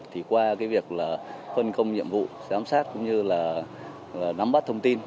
thì qua việc phân công nhiệm vụ giám sát cũng như nắm bắt thông tin